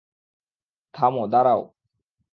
থাম, দাড়াও।